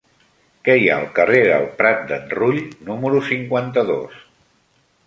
Què hi ha al carrer del Prat d'en Rull número cinquanta-dos?